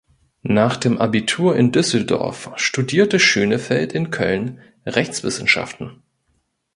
Nach dem Abitur in Düsseldorf studierte Schönefeld in Köln Rechtswissenschaften.